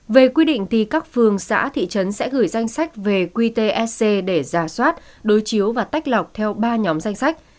về quy định thì các phương xã thị trấn sẽ gửi danh sách về quy tsc để giả soát đối chiếu và tách lọc theo ba nhóm danh sách